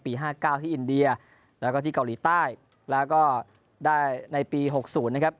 ๕๙ที่อินเดียแล้วก็ที่เกาหลีใต้แล้วก็ได้ในปี๖๐นะครับ